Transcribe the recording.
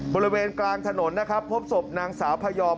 บริเวณกลางถนนนะครับพบศพนางสาวพยอม